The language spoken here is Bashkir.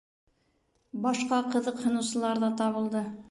Башҡа ҡыҙыҡһыныусылар ҙа табылды.